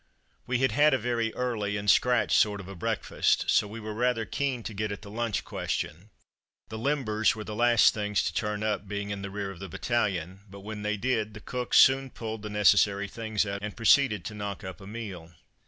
We had had a very early and scratch sort of a breakfast, so were rather keen to get at the lunch question. The limbers were the last things to turn up, being in the rear of the battalion, but when they did the cooks soon pulled the necessary things out and proceeded to knock up a meal.